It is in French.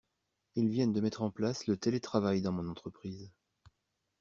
Ils viennent de mettre en place le télétravail dans mon entreprise.